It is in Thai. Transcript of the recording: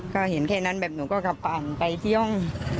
ก็เห็นแค่นั้นแบบหนูก็กลับกลางไปเที่ยง